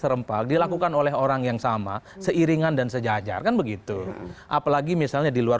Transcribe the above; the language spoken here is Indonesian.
serempal dilakukan oleh orang yang sama seiringan dan sejajar kan begitu apalagi misalnya di luar